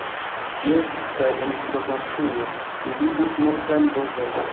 Jes, kaj en suda Francujo mi vidis multajn bovojn..